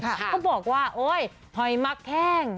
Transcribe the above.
เขาบอกว่าโอ๊ยหอยมักแห้ง